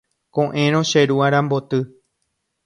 Ko'ẽrõ che ru aramboty.